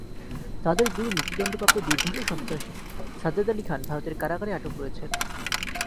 তাঁদের গুরু মৃত্যুদণ্ডপ্রাপ্ত দুর্ধর্ষ সন্ত্রাসী সাজ্জাদ আলী খান ভারতের কারাগারে আটক রয়েছেন।